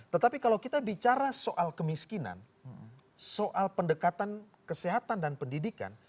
tetapi kalau kita bicara soal kemiskinan soal pendekatan kesehatan dan pendidikan